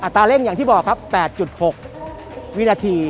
ตาเร่งอย่างที่บอกครับ๘๖วินาที